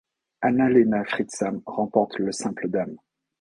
Anna-Lena Friedsam remporte le simple dames.